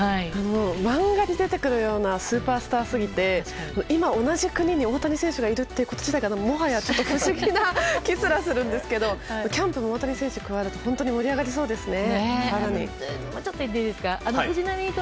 漫画に出てくるようなスーパースターすぎて今、同じ国に大谷翔平選手がいること次第が不思議な気すらするんですけどキャンプも大谷選手が加わると本当に盛り上がりそうですね。